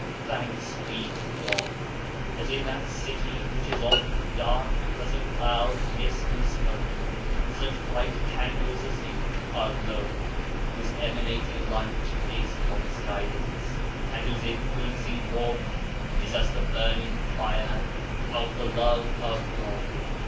'Thanks be to God! that in that city which is often dark because of cloud, mist, and smoke, such bright candles (as you) are glowing, whose emanating light is God's guidance, and whose influencing warmth is as the burning Fire of the Love of God.